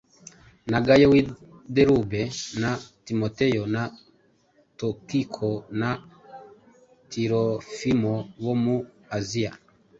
na Gayo w’i Derube, na Timoteyo na Tukiko na Tirofimo bo mu Asiya.